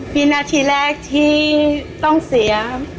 พี่หน้าที่แรกที่ต้องเสีย